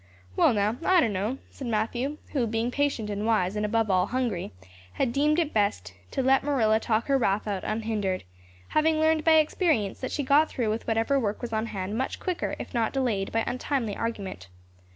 "Well now, I dunno," said Matthew, who, being patient and wise and, above all, hungry, had deemed it best to let Marilla talk her wrath out unhindered, having learned by experience that she got through with whatever work was on hand much quicker if not delayed by untimely argument.